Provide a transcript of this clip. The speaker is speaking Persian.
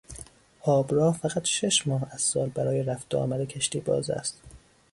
آبراه فقط شش ماه از سال برای رفت و آمد کشتی باز است.